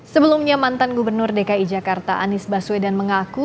sebelumnya mantan gubernur dki jakarta anies baswedan mengaku